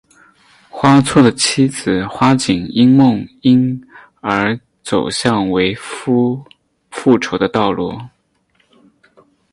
花错的妻子花景因梦因而走向为夫复仇的道路。